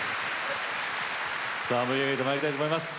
さあ盛り上げてまいりたいと思います。